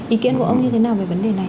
ý kiến của ông như thế nào về vấn đề này